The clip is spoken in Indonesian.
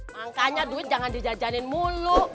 makanya duit jangan dijajanin mulu